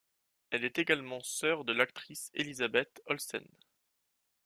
Elle est également sœur de l'actrice Elizabeth Olsen.